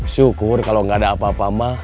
syukur kalo gak ada apa apa ma